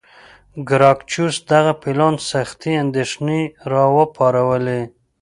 د ګراکچوس دغه پلان سختې اندېښنې را وپارولې.